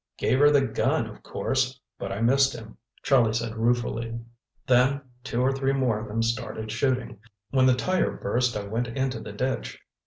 "Gave her the gun, of course. But I missed him," Charlie said ruefully. "Then two or three more of them started shooting. When the tire burst I went into the ditch.